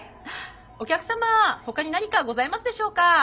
お客様ほかに何かございますでしょうか？